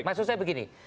maksud saya begini